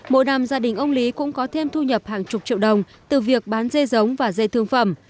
mỗi năm gia đình ông lý cũng có thêm thu nhập hàng chục triệu đồng từ việc bán dê giống và dê thương phẩm